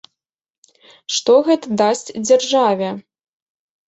Што гэта дасць дзяржаве?